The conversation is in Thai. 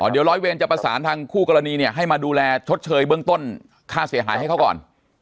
เดี๋ยวร้อยเวรจะประสานทางคู่กรณีเนี่ยให้มาดูแลชดเชยเบื้องต้นค่าเสียหายให้เขาก่อน